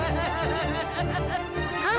iya asalnya dari sana